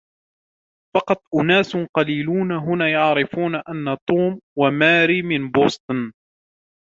فقط أناس قليلون هنا يعرفون أن توم وماري من بوسطن.